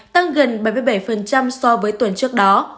tăng gần bảy mươi bảy so với tuần trước đó